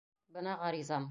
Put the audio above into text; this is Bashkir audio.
Бына ғаризам.